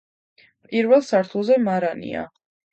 პირველ სართულზე მარანია.